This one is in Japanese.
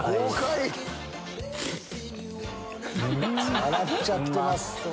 笑っちゃってます。